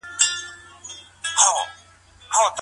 سکانو په پنجاب کي څه ستونزې جوړې کړي؟